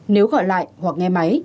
nếu gọi lại hoặc nghe máy